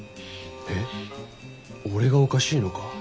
えっ俺がおかしいのか？